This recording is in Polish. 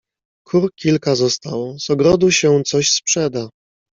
"Kur kilka zostało... z ogrodu się coś sprzeda..."